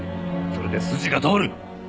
それで筋が通る。